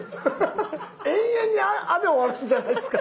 永遠に「あ」で終わるんじゃないですか？